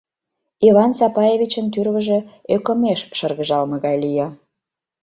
Иван Сапаевичын тӱрвыжӧ ӧкымеш шыргыжалме гай лие.